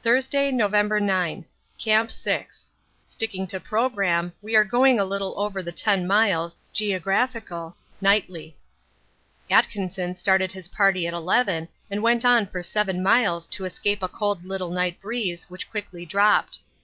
Thursday, November 9. Camp 6. Sticking to programme, we are going a little over the 10 miles (geo.) nightly. Atkinson started his party at 11 and went on for 7 miles to escape a cold little night breeze which quickly dropped.